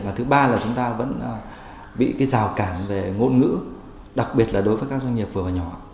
và thứ ba là chúng ta vẫn bị cái rào cản về ngôn ngữ đặc biệt là đối với các doanh nghiệp vừa và nhỏ